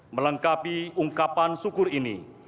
melengkapi ungkapan syukur ini